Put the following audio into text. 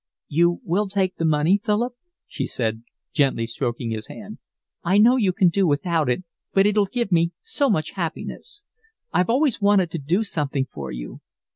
"You will take the money, Philip?" she said, gently stroking his hand. "I know you can do without it, but it'll give me so much happiness. I've always wanted to do something for you.